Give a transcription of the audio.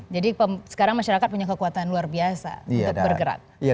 jadi sekarang masyarakat punya kekuatan luar biasa untuk bergerak